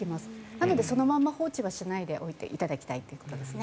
なのでそのまま放置はしないでおいていただきたいと。